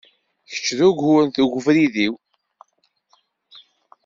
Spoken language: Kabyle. Kečč, d ugur deg ubrid-iw!